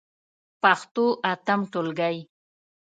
پښتو اتم ټولګی.